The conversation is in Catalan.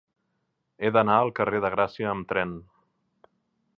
He d'anar al carrer de Gràcia amb tren.